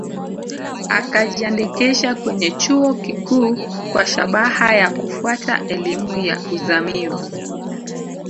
Akajiandikisha kwenye chuo kikuu kwa shabaha ya kufuata elimu ya uzamivu